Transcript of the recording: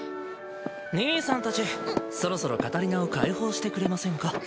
兄さんたちそろそろカタリナを解放してくれませんか？